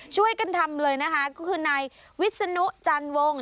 ช่วยกันทำเลยนะคะก็คือนายวิศนุจันวง